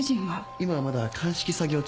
今はまだ鑑識作業中です。